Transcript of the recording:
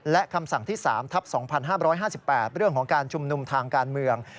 และคำสั่งที่๓ทับ๒๕๕๘เรื่องของการชุมนุมทางการเมือง